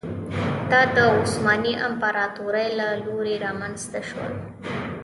دا د عثماني امپراتورۍ له لوري رامنځته شول.